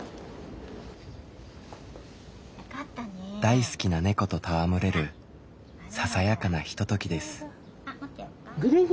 大好きな猫と戯れるささやかなひとときです。